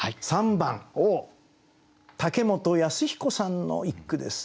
３番武本保彦さんの一句です。